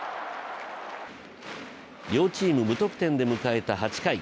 両チーム無得点で迎えた８回。